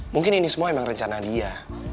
mungkin ini semua memang rencana dia